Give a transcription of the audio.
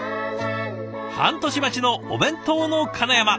半年待ちのお弁当のかなやま。